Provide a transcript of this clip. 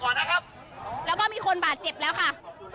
นะครับแล้วก็มีคนบาดเจ็บแล้วค่ะ